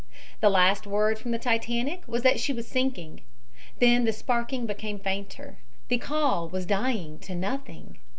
The last word from the Titanic was that she was sinking. Then the sparking became fainter. The call was dying to nothing.